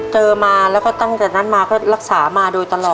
เจอมาแล้วก็ตั้งแต่นั้นมาก็รักษามาโดยตลอด